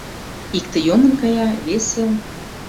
Икте йомын кая, весе...